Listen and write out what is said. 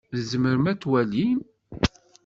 Tzemrem ad twalim?